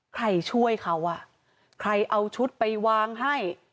ใครช่วยเขาอ่ะใครเอาชุดไปวางให้